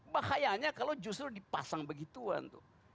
bahayanya kalau justru dipasang begituan tuh